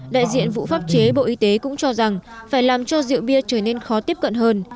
đại diện vụ pháp chế bộ y tế cũng cho rằng phải làm cho rượu bia trở nên khó tiếp cận hơn